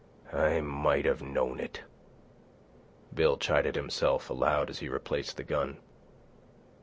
"I might have knowed it," Bill chided himself aloud as he replaced the gun.